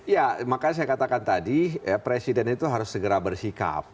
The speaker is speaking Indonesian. ya makanya saya katakan tadi presiden itu harus segera bersikap